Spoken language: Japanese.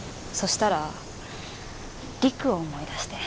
したらりくを思い出して。